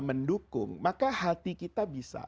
mendukung maka hati kita bisa